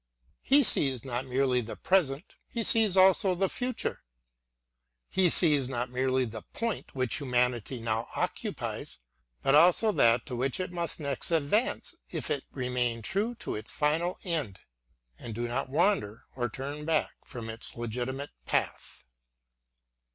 He sees not merely the present, — he sees also the future; he sees not merely the point which humanity now occupies, but also that to which it must next advance if it remain true to its final end, and do not wander or turn back from its legitimate path.